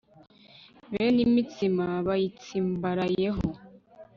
bene imitsima bayitsimbarayeho